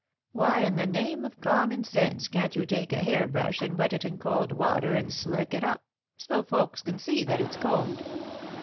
Why 'n the name of common sense can't you take a hair brush and wet it in cold water and slick it up, so's folks can see that it's combed?